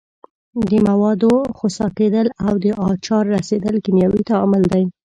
د موادو خسا کیدل او د آچار رسیدل کیمیاوي تعامل دي.